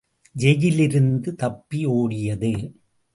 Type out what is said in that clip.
ஜெயிலிலிருந்து தப்பி ஓடியது.